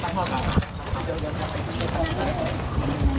นายพงพัฒน์อายุ๒๒ปีหนุ่มคนสนิทของน้องดาวก็๒ข้อหาเหมือนกันค่ะ